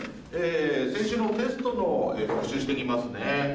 先週のテストの復習していきますね。